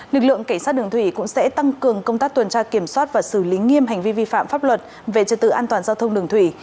lực lượng cảnh sát đường thủy cũng sẽ tăng cường công tác tuần tra kiểm soát và xử lý nghiêm hành vi vi phạm pháp luật về trật tự an toàn giao thông đường thủy